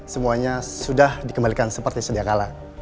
semuanya sudah dikembalikan seperti sedia kala